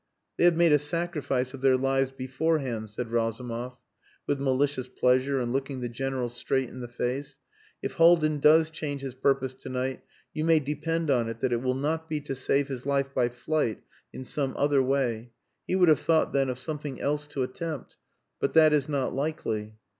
"They have made a sacrifice of their lives beforehand," said Razumov with malicious pleasure and looking the General straight in the face. "If Haldin does change his purpose to night, you may depend on it that it will not be to save his life by flight in some other way. He would have thought then of something else to attempt. But that is not likely."